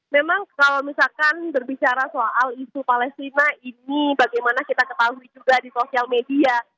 memang kalau misalkan berbicara soal isu palestina ini bagaimana kita ketahui juga di sosial media